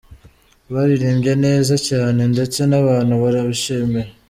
Baririmbye neza cyane ndetse n’abantu barabishimira.